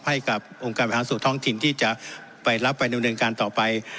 ให้กับองค์การประหลาดสูตรท้องถิ่นที่จะไปรับไปดูเรื่องการต่อไป